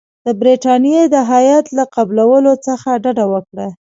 د برټانیې د هیات له قبولولو څخه ډډه وکړه.